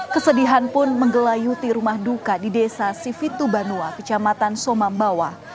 kesedihan pun menggelayuti rumah duka di desa sivitu banua kecamatan somambawa